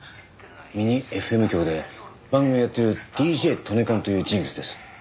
ミニＦＭ局で番組をやっているＤＪＴＯＮＥＫＡＮという人物です。